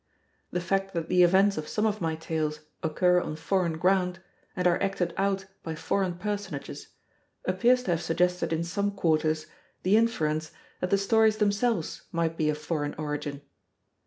The fact that the events of some of my tales occur on foreign ground, and are acted out by foreign personages, appears to have suggested in some quarters the inference that the stories themselves might be of foreign origin.